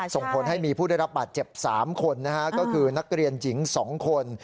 ส่งผลให้มีผู้ได้รับบาดเจ็บ๓คนก็คือนักเรียนหญิง๒คน